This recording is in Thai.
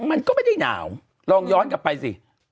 มันก็ไม่ได้หนาวลองย้อนกลับไปสิ